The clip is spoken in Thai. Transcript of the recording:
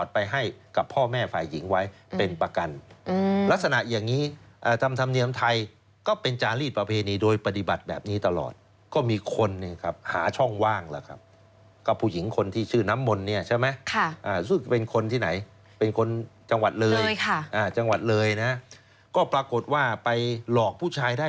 ไปให้กับพ่อแม่ฝ่ายหญิงไว้เป็นประกันลักษณะอย่างนี้ทำธรรมเนียมไทยก็เป็นจารีสประเพณีโดยปฏิบัติแบบนี้ตลอดก็มีคนเนี่ยครับหาช่องว่างแล้วครับกับผู้หญิงคนที่ชื่อน้ำมนต์เนี่ยใช่ไหมซึ่งเป็นคนที่ไหนเป็นคนจังหวัดเลยจังหวัดเลยนะก็ปรากฏว่าไปหลอกผู้ชายได้